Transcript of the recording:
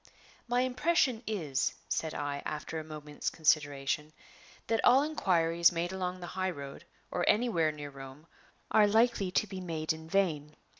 "My impression is," said I, after a moment's consideration, "that all inquiries made along the high road, or anywhere near Rome, are likely to be made in vain.